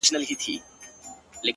هغه ولس چي د ـ